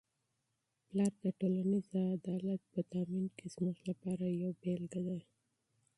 پلار د ټولنیز عدالت په تامین کي زموږ لپاره یو مثال دی.